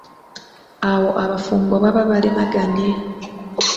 Awo abafumbo baba balemaganye.